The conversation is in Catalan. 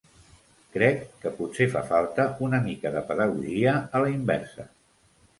Crec que potser fa falta una mica de pedagogia a la inversa.